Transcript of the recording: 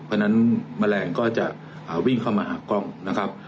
เพราะฉะนั้นแมลงก็จะวิ่งเข้ามาหากล้องนะครับ